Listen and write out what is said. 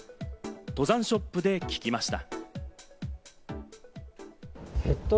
登山ショップで聞きました。